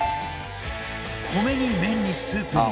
米に麺にスープに！